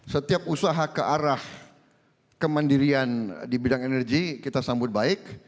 setiap usaha ke arah kemandirian di bidang energi kita sambut baik